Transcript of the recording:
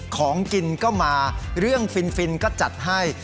ของกินก็มาเรื่องฟินก็จัดให้